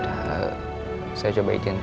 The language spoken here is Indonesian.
udah cukup bahagia kok